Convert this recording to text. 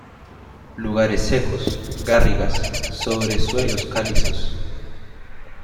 Lugares secos, garrigas, sobre suelos calizos.